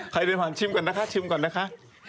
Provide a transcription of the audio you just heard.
ใครไปจิ้มก่อนนะคะชิมก่อนนะคะ